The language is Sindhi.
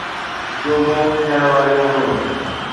چونڊون ٿيڻ واريون هيون